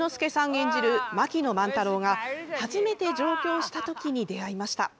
演じる槙野万太郎が初めて上京した時に出会いました。